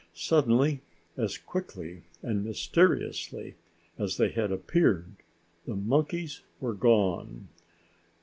Suddenly, as quickly and mysteriously as they had appeared, the monkeys were gone.